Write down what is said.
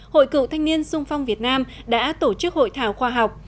hội cựu thanh niên sung phong việt nam đã tổ chức hội thảo khoa học